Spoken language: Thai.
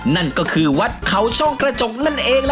นั่นก็คือวัดเขาช่องกระจกนั่นเอง